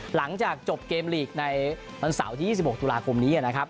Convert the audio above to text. หลังจากจบเกมลีกดันเสาร์ที่๒๖ธุระคมนี้